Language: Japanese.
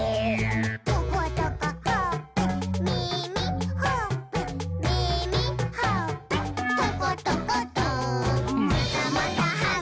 「トコトコほっぺ」「みみ」「ほっぺ」「みみ」「ほっぺ」「トコトコト」「またまたはぐき！はぐき！はぐき！